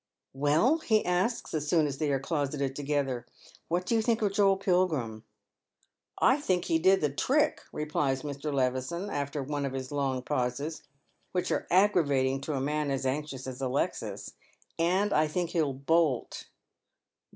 9S8 Dead Men's Shoes. " Well," he asks as soon as they are closeted together, "whai do you think of Joel Pilgi im ?"" I think he did the trick," replies Mr. Levison after one of his long pauses, which are aggravating to a man as anxious as Alexis, " and I think he'll bolt."